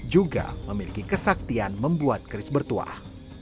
juga memiliki kesaktian membuat keris bertuah